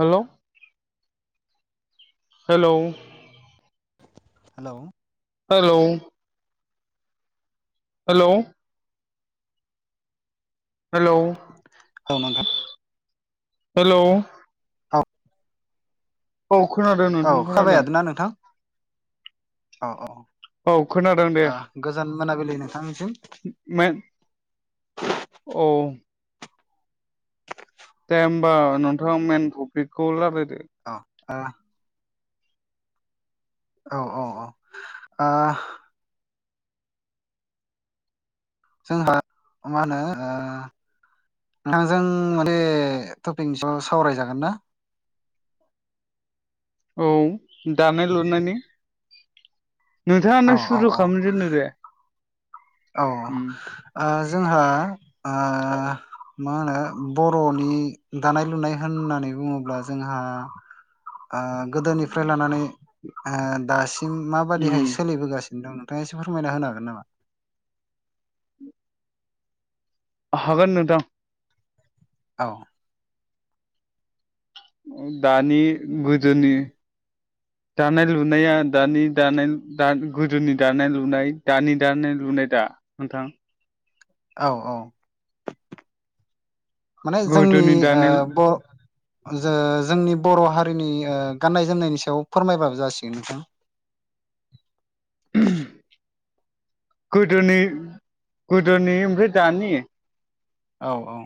हेल' hello hello hello hello hello औ नोंथां hello औ औ खोनादों औ नोंथां खाबाय खोनादों हादोना नोंथां औ औ औ खोनादों दे गोजान मोनाबिलि नोंथांनिसिम मा औ दे होमबा नोंथाङा मेन टपिकखौ रायलायदो अ आ औ औ औ आ जोंहा मा होनो ओ नोंथांजों माने टपिकनि सायाव सावरायजागोन ना औ दानाय लुनायनि नोंथाङानो औ औ सुजु औ खालामजेननो दे औ उम ओ जोंहाओ मा होनो बर'नि दानाय लुनाय होननानै बुङोब्ला जोंहा गोदोनिफ्राय लानानै दासिम मा उम माबादिहाय सोलिबोगासिनो दं नोंथांङा एसे फोरमायना होन हागोन नामा हागोन नोंथां औ दानि गोदोनि दानाय लुनाया दानि दानाय द गोदोनि दानाय लुनाय दानि दानाय लुनाय दा नोंथां औ औ माने जोंनि गोदोनि दानाय बर' ज जोंनि बर' हारिनि गाननाय जोमनायनि सायाव फोरमायबाबो जासिगोन नोंथां गोदोनि गोदोनि ओमफ्राय दानि औ औ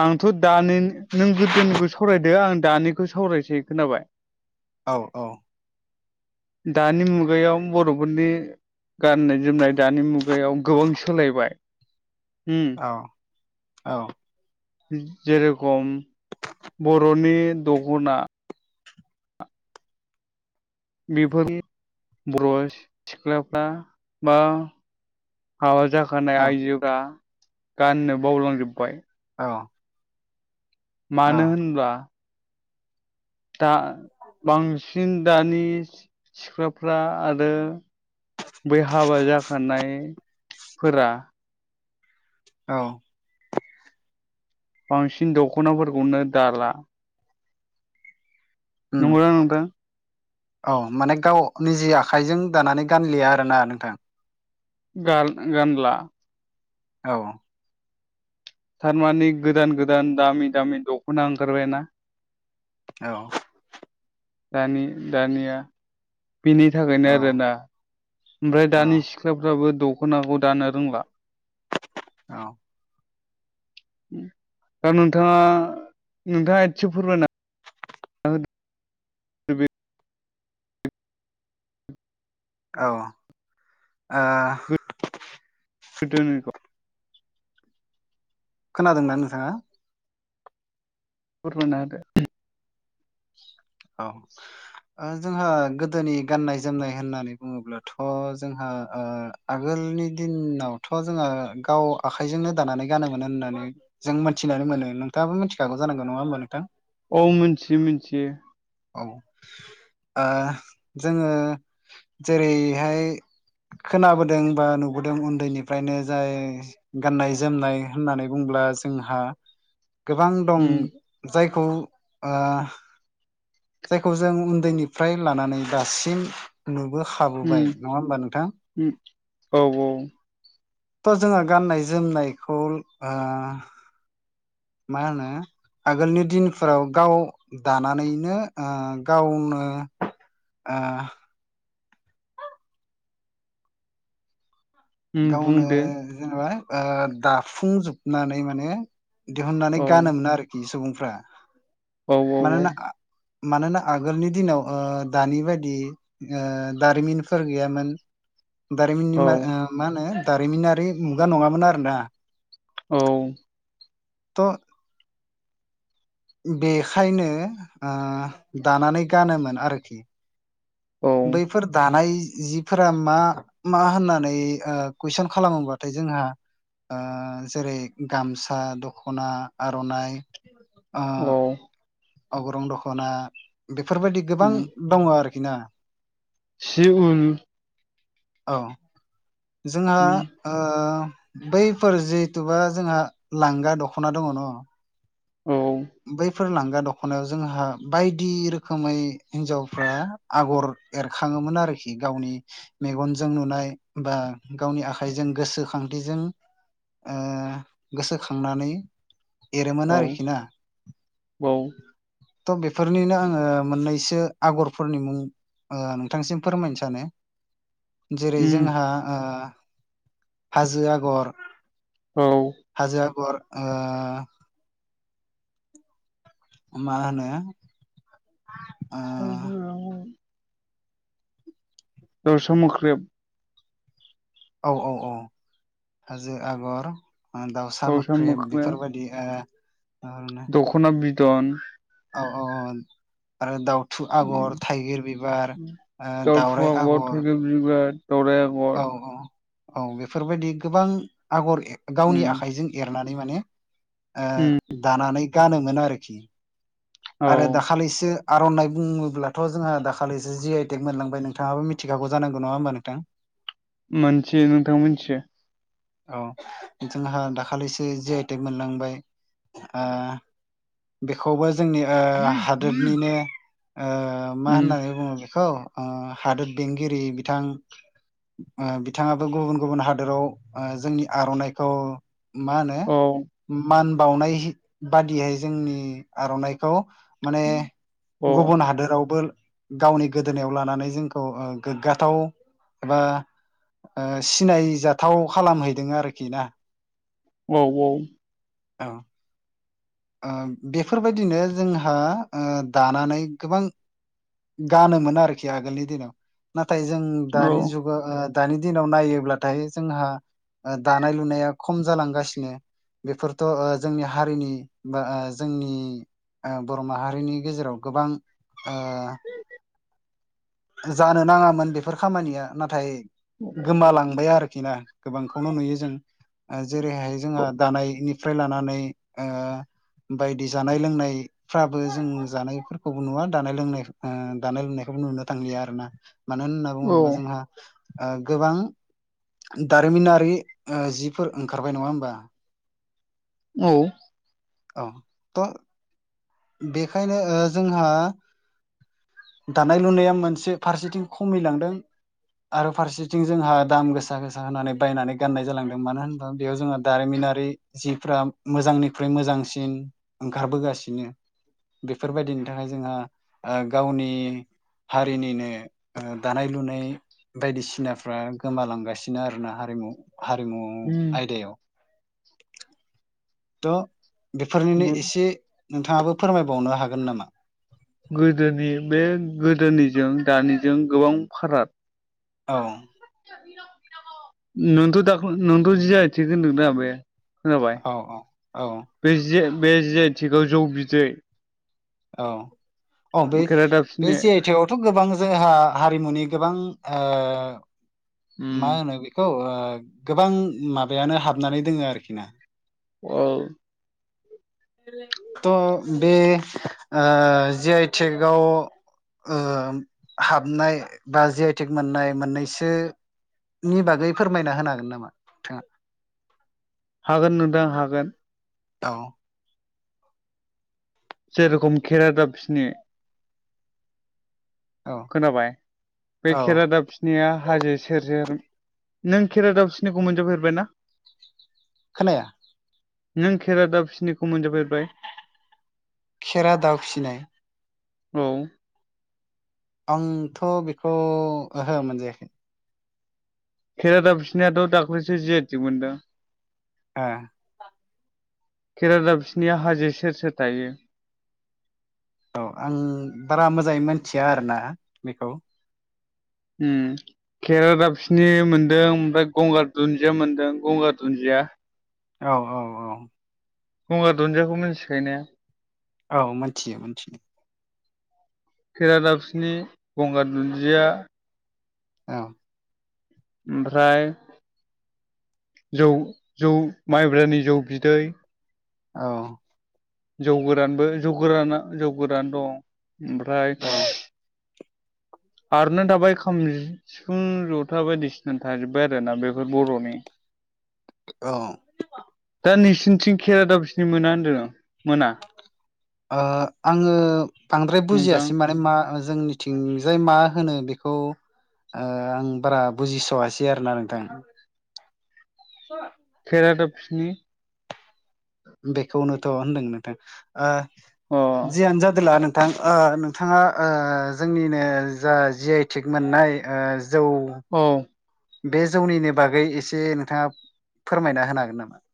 आंथ' दानि नों गोदोनिखौ सावरायदो आं दानिखौ सावरायसै खोनाबाय औ औ दानि मुगायाव बर'फोरनि गाननाय जोमनाय दानि मुगायाव गोबां सोलायबाय औ औ जेरेखम बर'नि दगना बेफोर बर' सिख्लाफ्रा बा हा जाखानाय आइजोफ्रा गाननो बावलांजोब्बाय औ औ मानो होनब्ला दा बांसिन दानि सिख्लाफ्रा आरो बै हाबा जाखानायफोरा औ बांसिन दख'नाफोरखौनो दाला उम नंगौदा नोंथां औ माने गाव निजे आखाइजों दानानै गानलिया आरोना नोंथां गाल गानला औ थारमाने गोदान गोदान दामि दामि दख'ना ओंखारबाय ना औ दानि दानिया बेनि थाखायनो आरोना ओमफ्राय औ दानि सि सिख्लाफ्राबो दख'नाखौ दानो रोंला औ दा नोंथाङा नोंथाङा एसे फोरमायना होदो [unintelligible] औ आ गोदोनिखौ खोनादों ना नोंथाङा फोरमायना होदो औ जोंहा गोदोनि गाननाय जोमनाय होननानै बुङोब्लाथ' जोंहा ओ आगोलनि दिनावथ' जोङो गाव आखाइजोंनो दानानै गानोमोनो होननानै जों मिथिनानै मोनो नोंथाङाबो मिथिखागौ जानांगौ नङा होमबा नोंथां। औ मिथियो मिथियो। औ जोङो जेरैहाय खोनाबोदों बा नुबोदों उन्दैनिफ्रायनो जाय गाननाय जोमनाय होननानै बुंब्ला जोंहा गोबां दं उम जायखौ ओ जायखौ जों उन्दैनिफ्राय लानानै दासिम नुबोखा उम बोबाय नङा होमबा नोंथां? उम औ थ' जोङो गाननाय जोमनायखौ आ मा होनो आगोलनि दिनफोराव गाव दानानै बिनो आ गावनो आ उम गावनो बुंदो जेनेबा आ दाफुंजोबनानै माने दिहुननानै औ गानोमोन आरोखि सुबुंफ्रा औ औ मानोना मानोना आगोलनि दिनाव ओ दानि बायदि ओ दारिमिनफोर गैयामोन। दारिमिननि औ मा आ मा होनो दारिमिनारि मुगा नङामोन आरोना। औ थ' बेखायनो आ दानानै गानोमोन आरोखि औ बैफोर दानाय जिफोरा मा मा होननानै आ कुइसन खालामोबाथाय जोंहा ओ जेरै गामसा, दख'ना, आर'नाइ ओ औ अगरं दख'ना बेफोरबायदि गोबां उम दङ आरोखि ना। सि उल औ जोंहा ओ बैफोर जिहेथुबा जोंहा लांगा दख'ना दङ न' औ बैफोर लांगा दख'नायाव जोंहा बायदि रोखोमै हिनजावफ्रा आगर एरखाङोमोन आरोखि गावनि मेगनजों नुनाय बा गावनि आखाइजों गोसोखांथिजों ओ गोसोखांनानै औ एरोमोन आरोखि ना। औ थ' बेफोरनिनो आङो मोननैसो आगरफोरनि मुं ओ नोंथांनिसिम फोरमायनो सानो। जेरै उम जोंहा आ हाजो आगर औ हाजो आरगर आ मा होनो हाजो आगर दावसा मौख्रेब औ -औ- औ हाजो आगर दाउसा मोख्रेब बेफोरबायदि ओ दखना बिदन औ औ -औ आरो दाउ थु आगर थाइगिर बिबार ओ दावराइ आगर दावराय आगर औ- औ -औ बेफोरबायदि गोबां आगर गावनि उम आखाइजों एरनानै माने ओ उम दानानै गानोमोन आरोखि औ आरो दाखालिसो आर'नाइ बुङोब्लाथ' जोंहा दाखालिसो जि आइ टेक मोनलांबाय नोंथाङाबो मिथिखागौ जांनांगौ नङा होमबा नोंथां! मोनथियो नोंथां मोनथियो औ जोंहा दाखालिसो जि आइटेक मोनलांबाय ओ बेखौबो जोंनि ओ हादोरनिनो ओ मा उम होननानै बुङो बेखौ ओ हादोर बेंगिरि बिथां ओ बिथाङाबो गुबुन- गुबुन हादोराव ओ जोंनि आर'नाइखौ मा होनो औ मान बावनाय बादियै जोंनि आर'नाइखौ माने औ गुबुन हादोरावबो गावनि गोदोनायाव लानानै जोंखौ गोग्गाथाव एबा ओ सिनायजाथाव खालामहैदों आरोखि ना औ औ औ ओ बेफोरबायदिनो जोंहा ओ दानानै गोबां गानोमोन आरोखि आगोलनि दिनाव नाथाय जों दानि जुग ओ दानि दिनाव नायोब्लाथाय जोंहा दानाय लुनाया खम जालांगासिनो बेफोरथ' जोंनि हारिनि बा जोंनि ओ बर' माहारिनि गेजेराव गोबां ओ जानो नाङामोन बेफोर खामानिया नाथाय गोमालांबाय आरोखि ना गोबांखौनो नुयो जों जेरैहाय जोंहा दानायनिफ्राय लानानै ओ बायदि जानाय लोंनाय फ्राबो जों जानायफोरखौबो नुवा दानाय लोंनाय दानाय औ लोंनायखौबो नुनो थांलिया आरोना ।मानो होनना औ बुङोब्ला जोंहा ओ गोबां दारिमिनारि जिफोर ओंखारबाय नङा होमबा औ औ थ' बेखायनो जोंहा दानाय लुनाया मोनसे फारसेथिं खमायलांदों आरो फारसेथिं जोंहा दाम गोसा गोसा होनानै बायनानै गाननाय जालांदों मानो होनोबा बेयाव जोंहा दारिमिनारि जिफ्रा मोजांनिख्रुइ मोजांसिन ओंखारबोगासिनो बेफोरबायदिनि थाखाय जोंहा गावनि हारिनिनो ओ दानाय लुनाय बायदिसिनाफ्रा गोमालांगासिनो आरोना हारिमु हारिमु उम आयदायाव थ बेफोरनिनो गो- एसे नोंथाङाबो फोरमायबावनो हागोन नामा गोदोनि बे गोदोनिजों दानिजों गोबां फाराग औ नोंथ दा नोंथ जि आइ थेक होनदों दा बे खोनाबाय औ औ औ बे जिआय बे जि आइथेगआव जौ बिदै औ औ बे- बे खेरादाफिनि जिआइ थेग आवथ' गोबां जोंहा हारिमुनि गोबां ओ उम मा होनो बिखौ बेखौ ओ गोबां माबायानो हाबनानै दोङो आरोखि ना औ थ' बे ओ जे आइटेकाव ओ हाबनाय बा जीआइ टेक मोननाय मोननैसो नि बागै फोरमायना होनो हागोन नामा नोंथाङा? हागोन नोंथां हागोन औ जेरखम खेरा दाबफिनि औ खोनाबाय बे औ खेरादाबफि निया हाजो सेरजेर नों खेरा दाबसिनिखौ मोनजाबफेरबाय ना? खोनाया नों खेरादाबसिनिखौ मोनजाफेरबाय खेरा दाउ फिसिनाय औ आंथ' बेखौ ओहो मोनजायाखै। खेरा दाबसिनियाथ' दाख्लैसो जीआइटेक मोनदों। ओ केरादाबसिनिया हाजो सेर सेर थायो। औ आं बारा मोजाङै मोनथिया आरो ना बेखौ हम खेरादाबसिनि मोनदों ओमफ्राय गंगार दुन्दिया मोनदों गंगार दुन्दिया औ औ औ गंगार दुन्दियाखौ मिथिखायोने? औ मोनथियो मोनथियो। केेरादाबसिनि गंगार दुन्दिया औ ओमफ्राय जौ जौ माइब्रानि जौ बिदै औ जौ गोरानबो जौ गोराना जौ गोदान दं ओमफ्राय औ आरनो थाबाय खाम सिफुं जथा बायदिसिना थाजोबबाय आरोना बेफोर बर'नि औ दा नोंसिनिथिं खेरादाबसिनि मोना होन्दों आं मोना ओ आङो बांद्राय नोंथां बुजियासै माने मा जोंनिथिंजाय मा होनो बेखौ ओ आं बारा बुजिस'वासै आरो ना नोंथां [unintelligible] केेरादाबफिनि बेखौनोथ' होनदों नोंथां ओ अ जियानो जादोला नों ओ नोंथाङा ओ जोंनिनो जा जीआइटिक मोननाय ओ जौ औ बे जौनिनो बागै एसे नोंथाङा फोरमायना होनो हागोन नामा?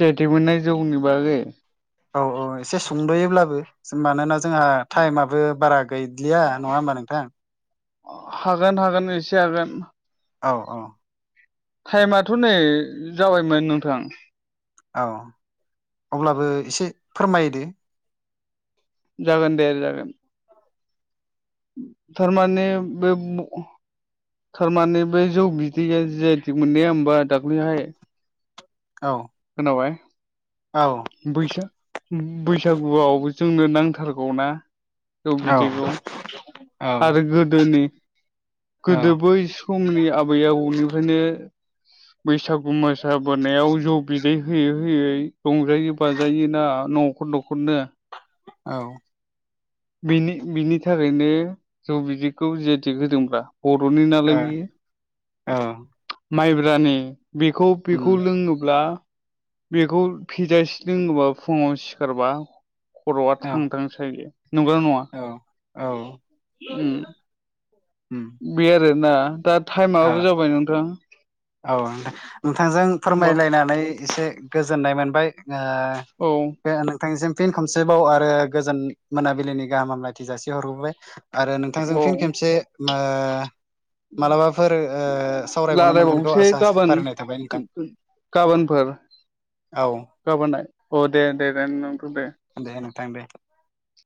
जीआइटेग मोननाय जौनि बागै औ औ एसे सुंद'योब्लाबो मानोना जोंहा टाइमाबो बारा गैलिया नङा होमबा नोंथां? हागोन हागोन एसे हागोन। औ औ टाइमाथ' नै जाबायमोन नोंथां औ अब्लाबो एसे फोरमायदो। जागोन दे जागोन। थारमानि बे थारमाने बे जौ बिदैया जीआइटेग मोननाया होमबा दाख्लैहाय औ खोनाबाय? औ। बैसा बैसागुआवबो जोंनो नांथारगौनाा जौ औ बिदखौ। आरो गोदोनि औ गोदो बै समनि आबै आबौनिफ्रायनो बैसागु मोसाबोनायाव ज' बिदै होयै होयै रंजायो बाजायोना न'खर न'खरनो औ बिनि बिनि थाखायनो जौ बिदिखौ जेथिक होदोंब्ला बर'नि नालाय बियो औ माइब्रानि बेखौ उम बेखौ लोङोब्ला बेखौ फिजासे लोङोबा फुङाव सिखारबा खर'आ औ थां थां हायो नंगौना नङा? औ औ। उ। ओ। बे आरोना। दा टाइमाबो जाबाय नोंथां। औ नोंथांजों होमबा फोरमायलायनानै एसे गोजोननाय मोनबाय। औ। नोंथांनिसिम फिन खमसेबाव आरो गोजोन मोनाबिलिनि गाहाम हामलायथि जासि हरबावबाय। आरो नोंथांजों औ फिन खेबसे मालाबाफोर सावरायबावनो मोनगोन सै गाबोन गाबोनफोर। औ गाबोनाय अ दे दे दे नोंथां दे। दे नोंथां दे।